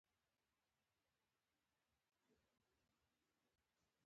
ایا پورته کیدی شئ؟